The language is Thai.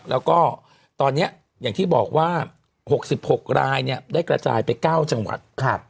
แล้วก็ตอนนี้อย่างที่บอกว่า๖๖รายได้กระจายไป๙จังหวัด